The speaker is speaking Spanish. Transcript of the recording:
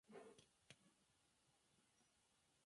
Cursó estudios en Primaria en la Escuela No.